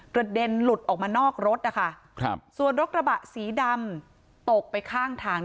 เด็นหลุดออกมานอกรถนะคะส่วนรถกระบะสีดำตกไปข้างทาง